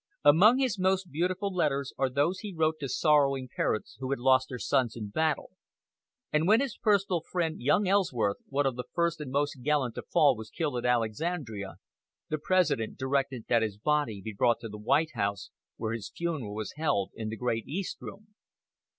Among his most beautiful letters are those he wrote to sorrowing parents who had lost their sons in battle; and when his personal friend, young Ellsworth, one of the first and most gallant to fall, was killed at Alexandria, the President directed that his body be brought to the White House, where his funeral was held in the great East Room.